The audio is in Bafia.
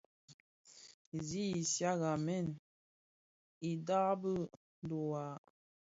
Zi isigmèn bidaabi dhiwa.